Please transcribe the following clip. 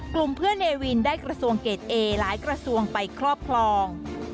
กลุ่มเพื่อนเนวินได้กระทรวงเกรดเอหลายกระทรวงไปครอบครอง